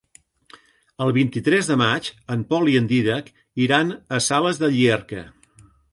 El vint-i-tres de maig en Pol i en Dídac iran a Sales de Llierca.